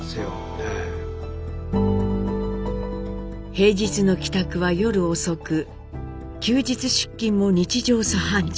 平日の帰宅は夜遅く休日出勤も日常茶飯事。